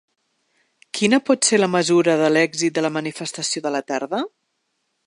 Quina pot ser la mesura de l’èxit de la manifestació de la tarda?